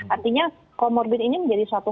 artinya comorbid ini menjadi suatu